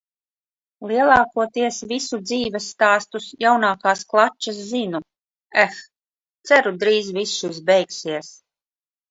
Lielākoties visu dzīvesstāstus, jaunākās klačas zinu. Eh, ceru drīz viss šis beigsies.